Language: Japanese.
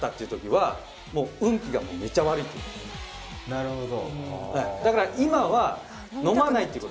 なるほど。